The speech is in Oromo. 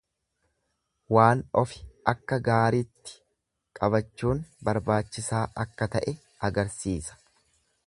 Waan ofi akka gaaritti qabachuun barbaachisaa akka ta'e agarsiisa.